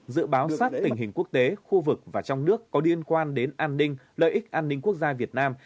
dự báo sát tình hình quốc tế khu vực và trong nước có liên quan đến an ninh lợi ích an ninh quốc gia việt nam